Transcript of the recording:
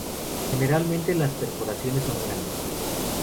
Generalmente las perforaciones son grandes.